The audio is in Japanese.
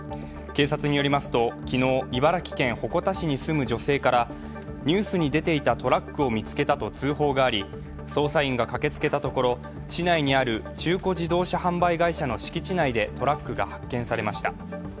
警察によりますと、昨日、茨城県鉾田市に住む女性からニュースに出ていたトラックを見つけたと通報があり捜査員が駆けつけたところ市内にある中古車販売会社の敷地内で敷地内でトラックが発見されました。